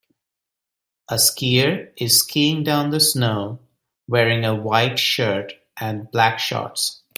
A skier is skiing down the snow wearing a white shirt and black shorts.